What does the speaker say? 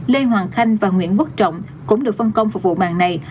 lê hoàng khanh và nguyễn quốc trọng cũng được phân công phục vụ mạng này